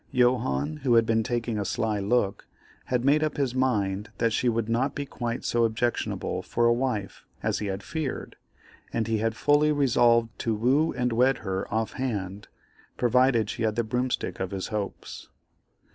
Johannes, who had been taking a sly look, had made up his mind that she would not be quite so objectionable for a wife as he had feared, and he had fully resolved to woo and wed her off hand, provided she had the broomstick of his hopes.